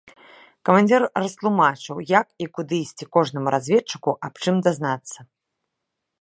Камандзір растлумачваў, як і куды ісці кожнаму разведчыку, аб чым дазнацца.